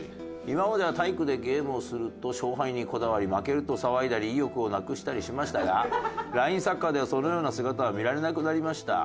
「今までは体育でゲームをすると勝敗にこだわり負けるとさわいだり意欲をなくしたりしましたがラインサッカーではそのような姿はみられなくなりました」